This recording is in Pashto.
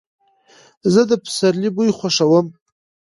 زه د سپرلي بوی خوښوم.